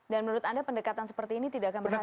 dan menurut anda pendekatan seperti ini tidak akan berhasil